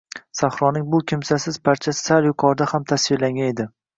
Sahroning bu kimsasiz parchasi sal yuqorida ham tasvirlangan edi